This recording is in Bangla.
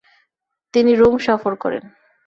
তিনি রোম সফর করেন।